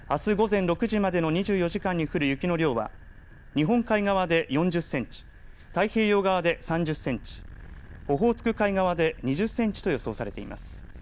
あす午前６時までの２４時間に降る雪の量は日本海側で４０センチ太平洋側で３０センチオホーツク海側で２０センチと予想されています。